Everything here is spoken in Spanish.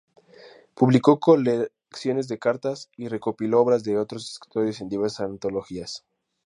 Publicó colecciones de cartas y recopiló obras de otros escritores en diversas antologías.